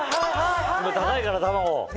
今高いから卵。